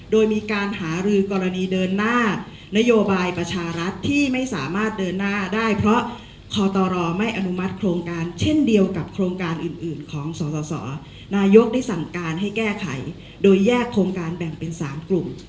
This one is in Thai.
โดยมีการหารือกรณีเดินหน้านโยบายประชารัฐที่ไม่สามารถเดินหน้าได้เพราะคอตรไม่อนุมัติโครงการเช่นเดียวกับโครงการอื่นอื่นของสสนายกได้สั่งการให้แก้ไขโดยแยกโครงการแบ่งเป็น๓กลุ่ม